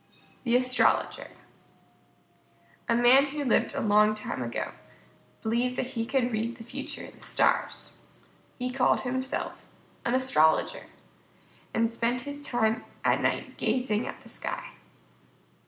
_ THE ASTROLOGER A man who lived a long time ago believed that he could read the future in the stars. He called himself an Astrologer, and spent his time at night gazing at the sky.